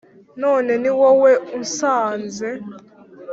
none ni wowe unsanze